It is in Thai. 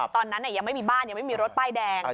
ตอนนั้นยังไม่มีบ้านยังไม่มีรถป้ายแดง